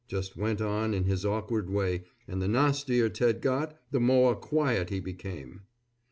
Just went on in his awkward way, and the nastier Ted got, the more quiet he became.